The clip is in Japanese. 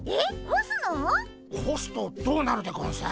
ほすとどうなるでゴンス？